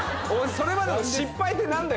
それまでの失敗って何だよ